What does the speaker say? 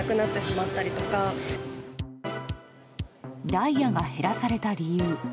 ダイヤが減らされた理由。